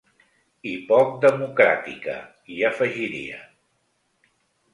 I poc democràtica, hi afegiria.